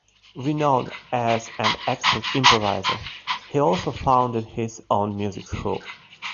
Renowned as an expert improviser, he also founded his own music school.